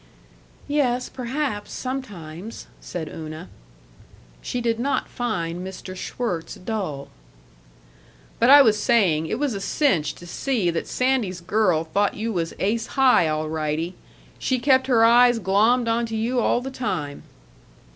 "Yes, perhaps sometimes," said Una. She did not find Mr. Schwirtz dull. "But I was saying: It was a cinch to see that Sandy's girl thought you was ace high, alrightee. She kept her eyes glommed onto you all the time."